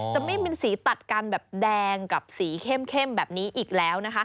จะไม่มีสีตัดกันแบบแดงกับสีเข้มแบบนี้อีกแล้วนะคะ